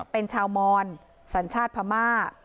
เป็นชาวมอนสัญชาติพม่า